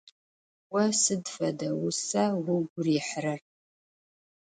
Vo sıd fede vusa vugu rihırer?